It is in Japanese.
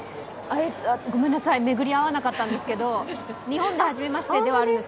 ごめんなさい、巡り会わなかったんですけど日本ではじめましてではあるんです。